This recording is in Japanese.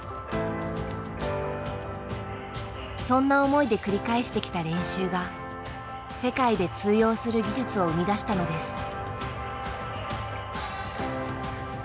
そんな思いで繰り返してきた練習が世界で通用する技術を生み出したのです。